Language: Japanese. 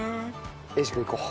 英二君いこう。